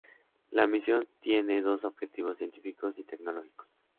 La misión tiene dos objetivos científicos y tecnológicos.